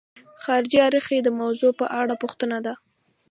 خارجي اړخ یې د موضوع په اړه پوښتنه ده.